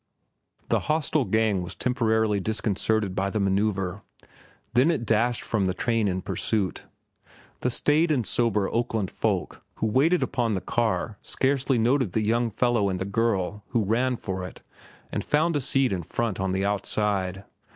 The hostile gang was temporarily disconcerted by the manoeuvre, then it dashed from the train in pursuit. The staid and sober Oakland folk who sat upon the car scarcely noted the young fellow and the girl who ran for it and found a seat in front on the outside.